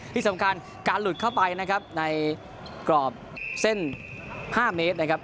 ที่สำคัญการหลุดเข้าไปนะครับในกรอบเส้น๕เมตรนะครับ